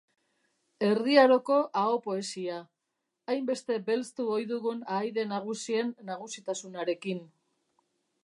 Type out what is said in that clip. Erdi Aroko aho poesia, hainbeste belztu ohi dugun Ahaide Nagusien nagusitasunarekin